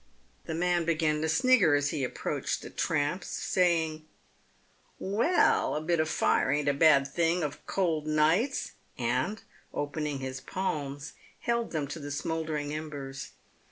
The man began to snigger as he approached the tramps, saying, " "Well, a bit of fire ain't a bad thing of cold nights ;" and, opening his palms, held them to the smouldering embers.